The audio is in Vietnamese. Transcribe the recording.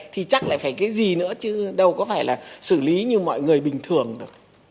thì chắc lại phải cái gì nữa chứ đâu có phải là xử lý như mọi người bình thường được